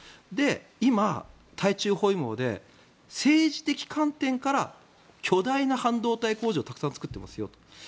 今、対中包囲網で政治的観点から巨大な半導体工場をたくさん作っていますよと。